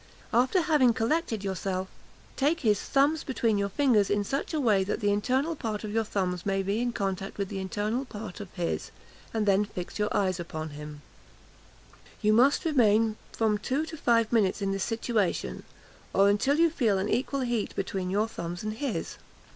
After having collected yourself, take his thumbs between your fingers in such a way that the internal part of your thumbs may be in contact with the internal part of his, and then fix your eyes upon him! You must remain from two to five minutes in this situation, or until you feel an equal heat between your thumbs and his.